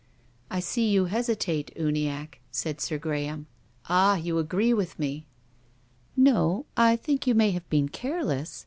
" I see you hesitate, Uniacke," said Sir Graham. " Ah, you agree with me !" THE RAINBOW. 45 " No ; I think you may have been careless.